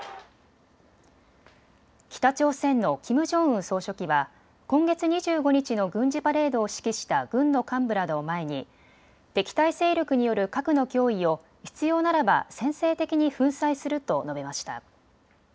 北朝鮮のキム・ジョンウン総書記は今月２５日の軍事パレードを指揮した軍の幹部らを前に敵対勢力による核の脅威を必要ならば先制的に粉砕すると述べました。